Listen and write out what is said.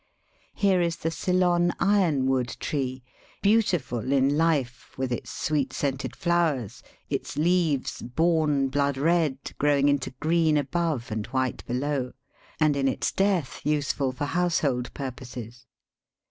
Here is the Ceylon iron wood tree, beautiful in life with its sweet scented flowers, its leaves, bom blood red, growing into green above and white below, and in its death useful for household purposes.